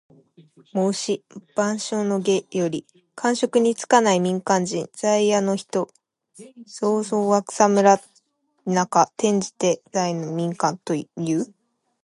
『孟子』「万章・下」より。官職に就かない民間人。在野の人。「草莽」は草むら・田舎。転じて在野・民間をいう。